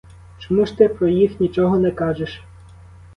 Чому ж ти про їх нічого не кажеш?